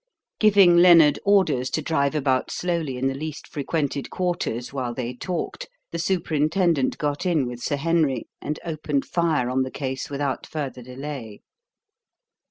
Giving Lennard orders to drive about slowly in the least frequented quarters, while they talked, the superintendent got in with Sir Henry, and opened fire on the "case" without further delay.